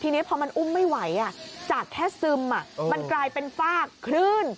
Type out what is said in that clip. ทีนี้พอมันอุ้มไม่ไหวจากแค่ซึมมันกลายเป็นฟากคลื่น